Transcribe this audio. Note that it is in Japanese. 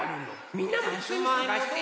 みんなもいっしょにさがして。